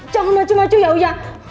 jangan macu macu ya uya